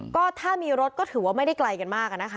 ก็ถ้ามีรถก็ถือว่าไม่ได้ไกลกันมากอะนะคะ